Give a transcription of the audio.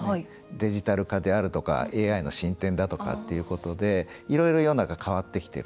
デジタル化であるとかＡＩの進展であるとかでいろいろ世の中が変わってきている。